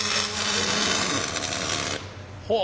ほう。